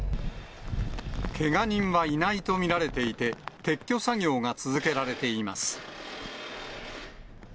けが人はいないと見られていて、撤去作業が続けられています。